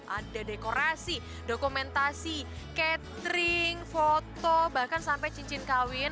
ada dekorasi dokumentasi catering foto bahkan sampai cincin kawin